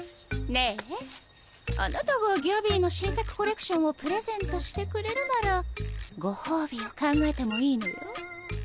ねぇあなたがギャビーの新作コレクションをプレゼントしてくれるならご褒美を考えてもいいのよ。